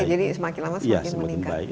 oke jadi semakin lama semakin meningkat